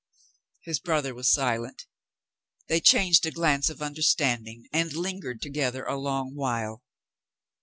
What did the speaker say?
His brother was silent. They changed a glance of understanding and lingered together a long while.